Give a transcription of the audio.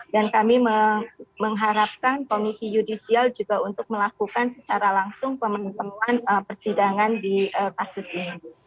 dan kami mengharapkan komisi yudisial juga untuk melakukan secara langsung pemengetahuan persidangan di kasus ini